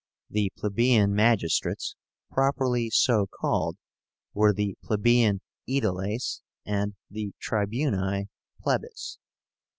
The plebeian magistrates, properly so called, were the plebeian Aediles and the Tribúni Plebis.